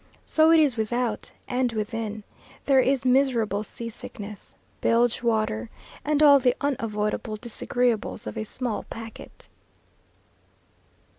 So it is without, and within, there is miserable sea sickness, bilge water, and all the unavoidable disagreeables of a small packet.